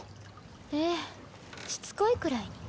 ええしつこいくらいに。